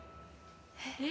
えっ？